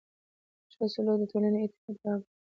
ښه سلوک د ټولنې اتحاد راوړي.